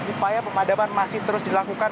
upaya pemadaman masih terus dilakukan